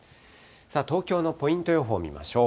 東京のポイント予報見ましょう。